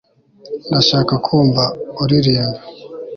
ndashaka kumva uririmba